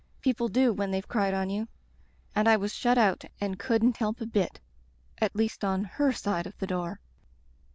People do when they've cried on you — and I was shut out and couldn't help a bit, at least on her side of the door.